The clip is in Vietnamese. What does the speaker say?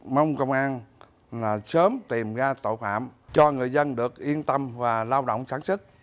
mong công an sớm tìm ra tội phạm cho người dân được yên tâm và lao động sản xuất